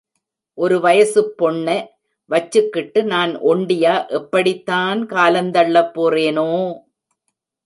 ஒரு வயசுப் பொண்ணெ வச்சுக்கிட்டு நான் ஒண்டியா எப்படித்தான் காலந்தள்ளப் போறேனோ?